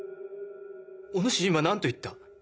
お主今何と言った？